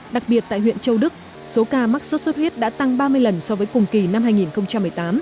đặc biệt tại huyện châu đức số ca mắc sốt xuất huyết đã tăng ba mươi lần so với cùng kỳ năm hai nghìn một mươi tám